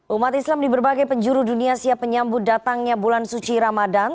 umat islam di berbagai penjuru dunia siap menyambut datangnya bulan suci ramadan